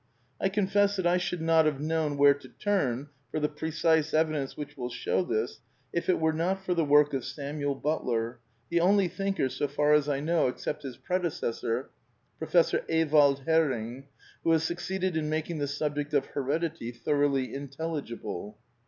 I confess that I should not have known where to turn for the precise evidence which will show this if it were not for the work of Samuel Butler, the only thinker, so far as I know, except his predecessor. Professor Ewald Hering,® who has succeeded in making the subject of Heredity thoroughly intelligible.